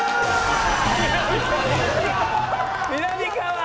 みなみかわ！